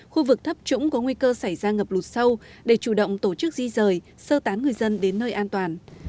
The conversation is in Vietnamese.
khu vực thấp trũng có nguy cơ xảy ra ngập lụt sâu để chủ động tổ chức di rời sơ tán người dân đến nơi an toàn